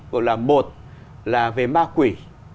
gọi là một là về ma quỷ